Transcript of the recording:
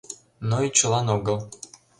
Но ӱчылан огыл.